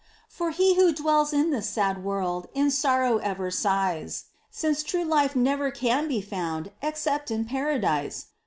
For he who dwells in this sad world In sorrow ever sighs, Since true life never can be found Except in Paradise